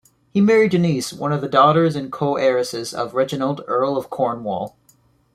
He married Denise, one of the daughters and coheiresses of Reginald, Earl of Cornwall.